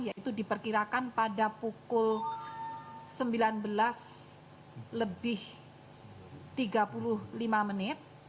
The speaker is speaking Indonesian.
yaitu diperkirakan pada pukul sembilan belas lebih tiga puluh lima menit